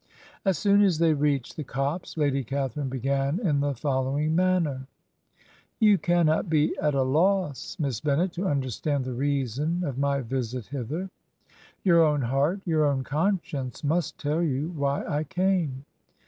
... As soon as they reached the copse. Lady Catharine began in the following manner :' You cannot be at a loss. Miss Bennet, to understand the reason of my visit hither. Your own heart, your own conscience, must tell you why I came.'